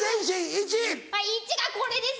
１がこれです。